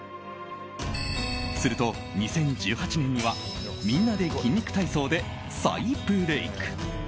すると２０１８年には「みんなで筋肉体操」で再ブレーク。